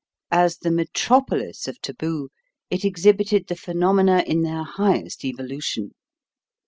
As the metropolis of taboo, it exhibited the phenomena in their highest evolution.